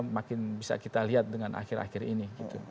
makin bisa kita lihat dengan akhir akhir ini